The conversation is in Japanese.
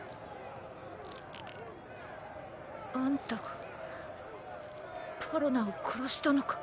あんたがパロナを殺したのか？